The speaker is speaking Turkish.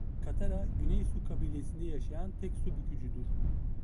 Katara Güney Su Kabilesinde yaşayan tek su bükücüdür.